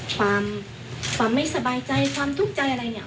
ความความไม่สบายใจความทุกข์ใจอะไรเนี่ย